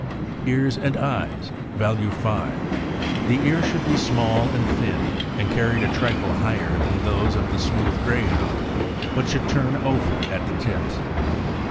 Ears and eyes (value 5). — The ears should be small and thin, , and carried a trifle higher than those of the smooth Greyhound, but should turn over at the tips.